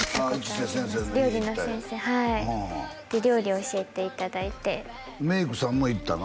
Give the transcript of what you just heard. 市瀬先生の家行ったんや料理の先生はいで料理教えていただいてメイクさんも行ったの？